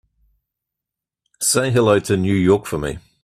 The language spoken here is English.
Say hello to New York for me.